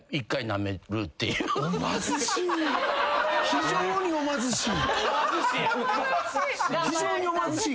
非常にお貧しい方だ。